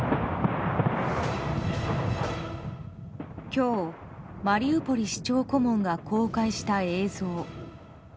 今日、マリウポリ市長顧問が公開した映像。